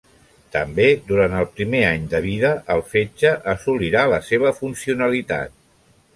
També durant el primer any de vida el fetge assolirà la seva funcionalitat.